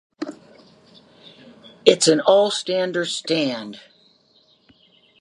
It is an all-stander stand.